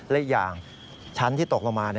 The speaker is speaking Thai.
และอีกอย่างชั้นที่ตกลงมา